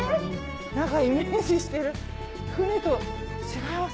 何かイメージしてる船と違います。